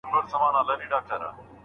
هغه پاچاهان چي ظلم کوي ژر له منځه ځي.